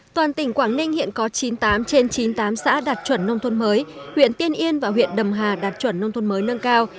toàn tỉnh quảng ninh hiện có chín mươi tám trên chín mươi tám xã đạt chuẩn nông thôn mới huyện tiên yên và huyện đầm hà đạt chuẩn nông thôn mới nâng cao